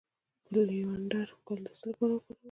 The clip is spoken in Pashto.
د لیوانډر ګل د څه لپاره وکاروم؟